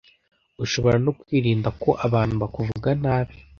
Ushobora no kwirinda ko abantu bakuvuga nabi